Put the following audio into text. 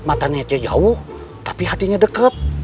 mata itu jauh tapi hatinya dekat